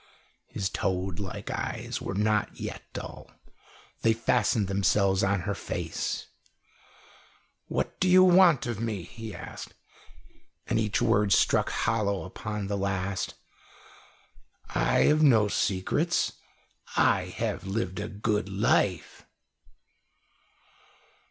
His toad like eyes were not yet dull. They fastened themselves on her face. "What do you want of me?" he asked, and each word struck hollow upon the last. "I have no secrets. I have lived a good life."